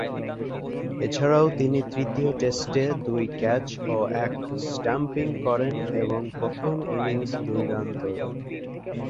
এছাড়াও তিনি তৃতীয় টেস্টে দুই ক্যাচ ও এক স্ট্যাম্পিং করেন এবং প্রথম ইনিংস দুই রান তোলেন।